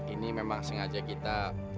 ini memang sengaja kita